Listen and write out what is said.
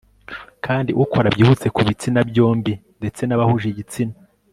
kandi ukora byihuse kubitsina byombi ndetse nabahuje igitsina